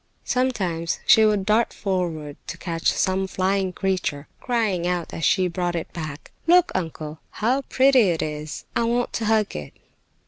Sometimes she would dart forward to catch some flying creature, crying out as she brought it back: "Look, uncle, how pretty it is! I want to hug it!"